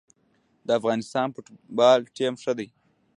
د افغانستان فوتبال ټیم ښه دی